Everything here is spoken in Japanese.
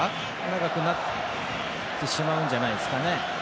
長くなってしまうんじゃないですかね。